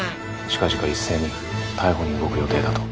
近々一斉に逮捕に動く予定だと。